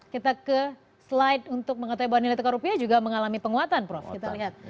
kita ke slide untuk mengetahui bahwa nilai tukar rupiah juga mengalami penguatan prof kita lihat